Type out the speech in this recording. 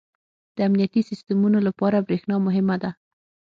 • د امنیتي سیسټمونو لپاره برېښنا مهمه ده.